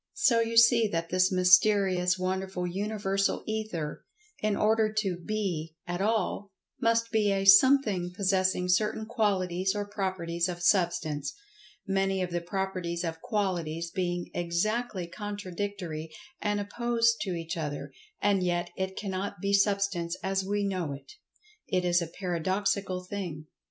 So you see that this mysterious, wonderful Universal Ether—in order to "be" at all—must be a "Something" possessing certain qualities or properties of Substance—many of the properties of qualities being exactly contradictory and opposed to each other—and yet it cannot be Substance as we know it. It is a Paradoxical thing.